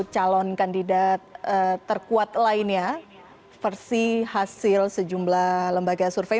calon kandidat terkuat lainnya versi hasil sejumlah lembaga survei